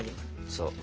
そう。